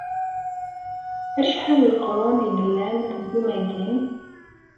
Acḥal n leqrun ay yellan deg umagim?